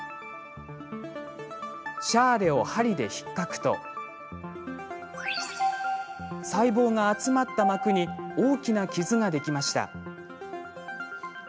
シャーレを針でひっかくと細胞が集まった膜に大きな傷ができました。